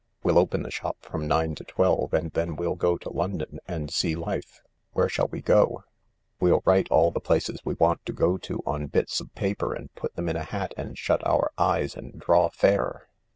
We'll open the shop from nine to twelve, and then we'll go to London and see life." " Where shall we go ?"" We'll write all the places we want to go to on bits o: paper and put them in a hat and shut our eyes and draw fair."